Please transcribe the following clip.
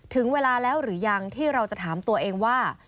ถึงเวลาแล้วหรือยังที่เราจะถามตัวเองว่า